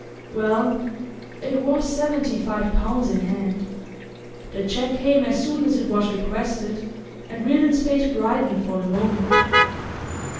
Well, it was seventy five pounds in hand. The cheque came as soon as it was requested, and Reardon's face brightened for the moment.